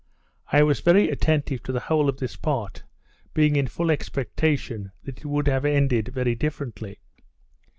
I was very attentive to the whole of this part, being in full expectation that it would have ended very differently.